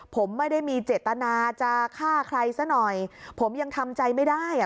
ผมไม่ได้มีเจตนาจะฆ่าใครซะหน่อยผมยังทำใจไม่ได้อ่ะ